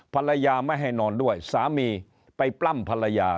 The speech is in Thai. ภรรยาไม่ให้นอนด้วยสามีไปปล้ำภรรยา